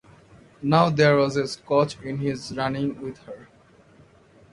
Now there was a scotch in his running with her.